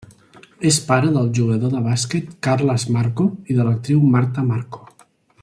És pare del jugador de bàsquet Carles Marco i de l'actriu Marta Marco.